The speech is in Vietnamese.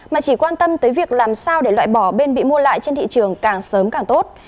mà chỉ quan tâm tới việc làm sao để loại bỏ bên bị mua lại trên thị trường càng sớm càng tốt